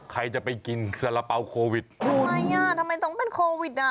ใครจะไปกินสาระเป๋าโควิดทำไมอ่ะทำไมต้องเป็นโควิดอ่ะ